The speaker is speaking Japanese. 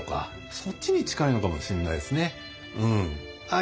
そっちに近いのかもしんないですね。